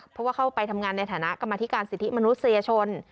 เพราะว่าเข้าไปทำงานในฐานะกรรมธิการสิทธิมนุษยชน